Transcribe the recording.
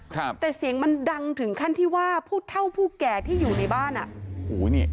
ครับแต่เสียงมันดังถึงขั้นที่ว่าผู้เท่าผู้แก่ที่อยู่ในบ้านอ่ะโอ้โหนี่